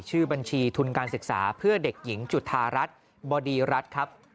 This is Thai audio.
ชื่อบัญชีทุนการศึกษาเพื่อเด็กหญิงจุธารัฐบดีรัฐครับ